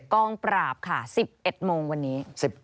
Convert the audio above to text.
กองปราบค่ะ๑๑โมงวันนี้